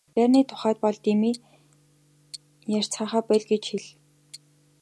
Байрны тухайд бол дэмий ярьцгаахаа боль гэж хэл.